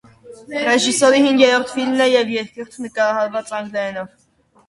Ռեժիսորի հինգերորդ ֆիլմն է և երկրորդը՝ նկարահանված անգլերենով։